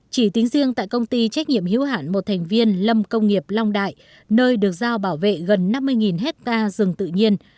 chỉ tính riêng tại công ty trách nhiệm hữu hạn một thành viên lâm công nghiệp long đại nơi được giao bảo vệ gần năm mươi hectare rừng tự nhiên